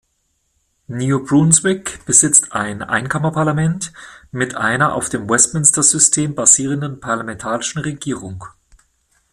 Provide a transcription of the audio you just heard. New Brunswick besitzt ein Einkammernparlament mit einer auf dem Westminster-System basierenden parlamentarischen Regierung.